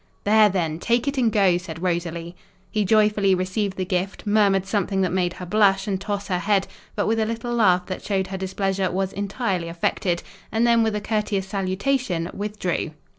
"There then! take it and go," said Rosalie. He joyfully received the gift, murmured something that made her blush and toss her head, but with a little laugh that showed her displeasure was entirely affected; and then with a courteous salutation withdrew.